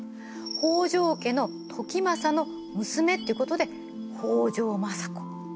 北条家の時政の娘っていうことで北条政子。